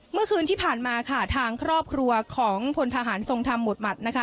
เมื่อคืนที่ผ่านมาค่ะทางครอบครัวของพลทหารทรงธรรมหมดหมัดนะคะ